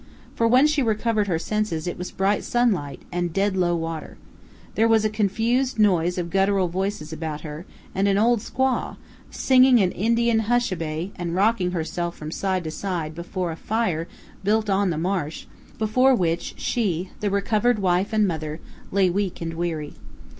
For when she recovered her senses it was bright sunlight, and dead low water. There was a confused noise of guttural voices about her, and an old squaw, singing an Indian "hushaby," and rocking herself from side to side before a fire built on the marsh, before which she, the recovered wife and mother, lay weak and weary.